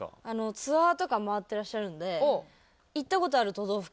ツアーとか回ってらっしゃるので「行った事ある都道府県」。